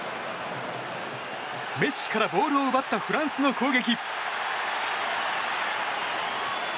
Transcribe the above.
メッシからボールを奪ったフランスの攻撃。